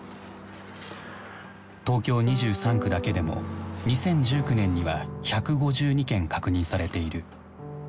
東京２３区だけでも２０１９年には１５２件確認されている。